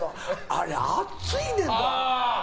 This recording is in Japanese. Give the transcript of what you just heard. あれ熱いねん！